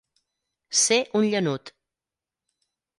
Ser un llanut.